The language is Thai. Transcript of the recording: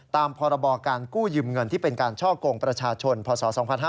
ตามพรบการกู้ยืมเงินที่เป็นการช่อกงประชาชนพศ๒๕๕๙